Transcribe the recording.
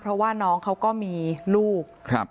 เพราะว่าน้องเขาก็มีลูก